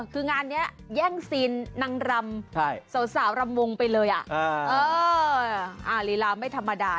คืองานนี้แย่งซีนนางรำสาวรำวงไปเลยลีลาไม่ธรรมดา